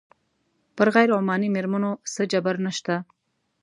پر غیر عماني مېرمنو څه جبر نه شته.